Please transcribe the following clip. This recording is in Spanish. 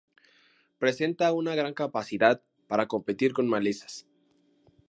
Presenta una gran capacidad para competir con malezas.